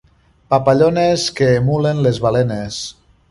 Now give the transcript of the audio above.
Papallones que emulen les balenes.